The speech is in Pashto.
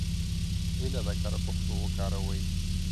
هیله ده کره پښتو وکاروئ.